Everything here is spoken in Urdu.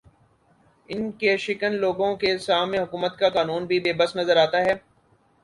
ان ق شکن لوگ کے سام حکومت کا قانون بھی بے بس نظر آتا ہے